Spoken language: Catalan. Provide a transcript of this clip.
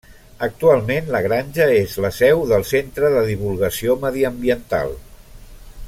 Actualment la granja és la seu del Centre de Divulgació Mediambiental.